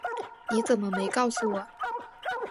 你怎么没告诉我